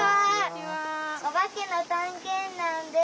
おばけのたんけんだんです。